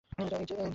এই যে, নিন!